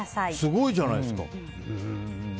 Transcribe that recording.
すごいじゃないですか。